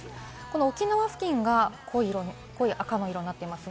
沖縄付近が濃い色、赤い色になっています。